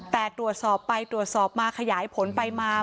แต่ตรวจสอบไปตรวจสอบมาขยายผลไปมา